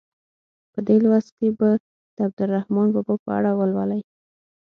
په دې لوست کې به د عبدالرحمان بابا په اړه ولولئ.